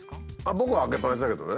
僕は開けっぱなしだけどね。